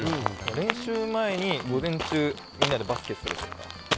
練習前に、午前中みんなでバスケするとか。